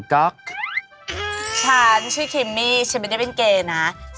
ที่นู่น